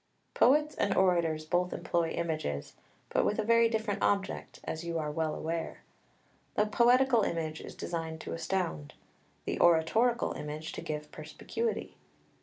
] 2 Poets and orators both employ images, but with a very different object, as you are well aware. The poetical image is designed to astound; the oratorical image to give perspicuity.